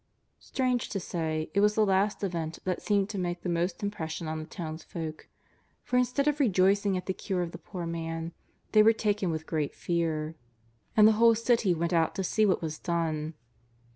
Strange to say, it was the last event that seemed to make the most impression on the townsfolk, for instead of rejoicing at the cure of tlie poor man, *' they were taken with great fear. And tlie whole city went out to see what was done.